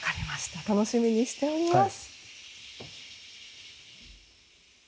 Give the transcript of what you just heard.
楽しみにしております。